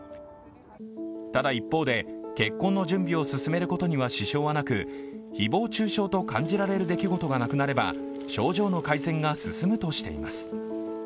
ただ一方で、結婚の準備を進めることには支障はなく誹謗中傷と感じられる出来事がなくなれば症状の改善が進むとしています。